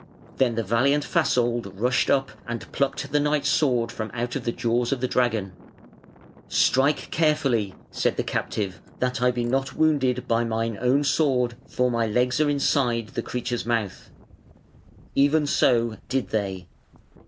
Then the valiant Fasold rushed up and plucked the knight's sword from out of the jaws of the dragon. "Strike carefully", said the captive, "that I be not wounded by mine own sword, for my legs are inside the creature's mouth". Even so did they.